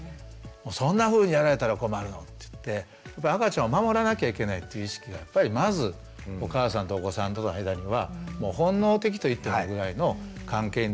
「そんなふうにやられたら困るの！」って言って赤ちゃんを守らなきゃいけないという意識がやっぱりまずお母さんとお子さんとの間には本能的と言ってもいいぐらいの関係になるので。